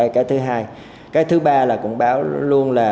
cái thứ hai cái thứ ba là cũng báo luôn là